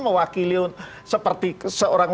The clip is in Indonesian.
mewakili seperti seorang